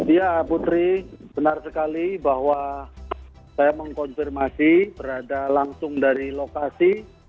ya putri benar sekali bahwa saya mengkonfirmasi berada langsung dari lokasi